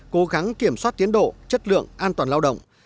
cố gắng kiểm soát tiến độ chất lượng an toàn lao động